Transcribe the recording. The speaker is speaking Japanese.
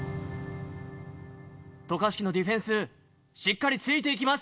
渡嘉敷のディフェンスしっかりついていきます。